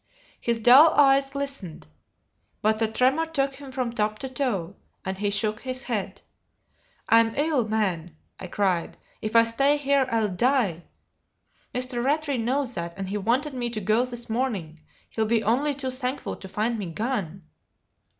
His dull eyes glistened; but a tremor took him from top to toe, and he shook his head. "I'm ill, man!" I cried. "If I stay here I'll die! Mr. Rattray knows that, and he wanted me to go this morning; he'll be only too thankful to find me gone."